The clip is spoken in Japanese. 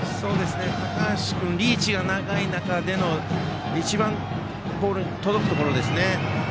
高橋君リーチが長い中でのボールに届くところですね。